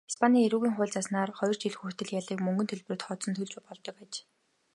Испанийн эрүүгийн хуульд зааснаар хоёр жил хүртэлх ялыг мөнгөн төлбөрөөр тооцон төлж болдог аж.